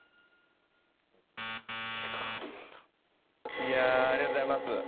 いやあありがとうございます。